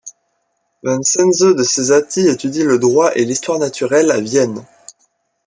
Vincenzo de Cesati étudie le droit et l’histoire naturelle à Vienne.